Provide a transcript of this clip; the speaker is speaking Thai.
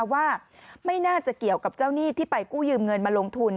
ว่าไม่น่าจะเกี่ยวกับเจ้าหนี้ที่ไปกู้ยืมเงินมาลงทุน